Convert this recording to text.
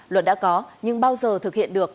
luật đã có nhưng bao giờ thực hiện được